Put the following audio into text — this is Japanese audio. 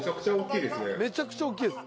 「めちゃくちゃ大きいです」